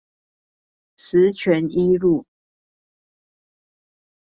十全一路